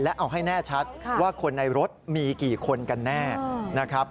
และเอาให้แน่ชัดว่าคนในรถมีกี่คนกันแน่นะครับ